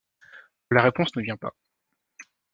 La réponse ne vient pas.